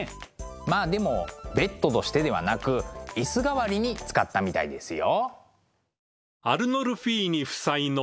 まあでもベッドとしてではなく椅子代わりに使ったみたいですよ。